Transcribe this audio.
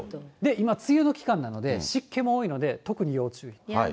今梅雨の期間なので、湿気も多いので、特に要注意。